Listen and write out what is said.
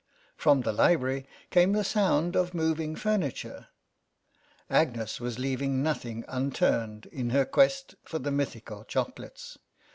From the library came the sound of moving furniture. Agnes was leaving nothing un turned in her quest for the mythical chocolates.